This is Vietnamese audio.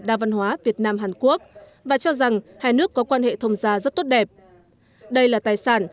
đa văn hóa việt nam hàn quốc và cho rằng hai nước có quan hệ thông gia rất tốt đẹp đây là tài sản